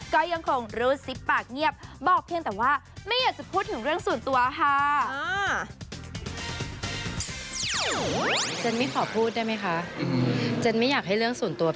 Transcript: ก็ยังคงรูดซิบปากเงียบบอกเพียงแต่ว่าไม่อยากจะพูดถึงเรื่องส่วนตัวค่ะ